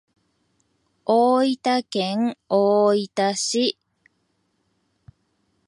大分県大分市